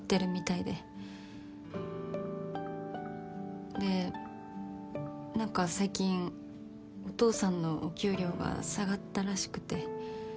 で何か最近お父さんのお給料が下がったらしくて。